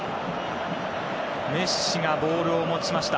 メッシがボールを持ちました。